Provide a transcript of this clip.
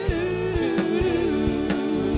duh duh duh duh duh duh